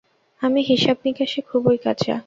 আমি হিসাব নিকাশে খুবই কাঁচা।